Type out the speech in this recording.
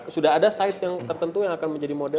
sudah ada site yang tertentu yang akan menjadi model